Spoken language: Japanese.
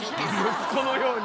息子のように。